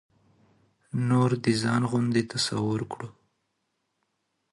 نور د ځان غوندې تصور کړو.